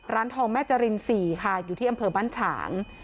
ร้านทองแม่จริน๔ค่ะอยู่ที่อำเภอบ้านฉาง